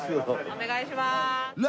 お願いします！